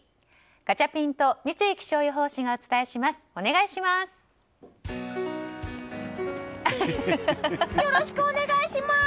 ガチャピンと三井気象予報士がお伝えします、お願いします。